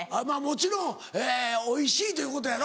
もちろんおいしいということやろ？